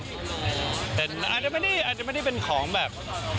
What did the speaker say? แต่อาจจะไม่ได้เป็นของแบบ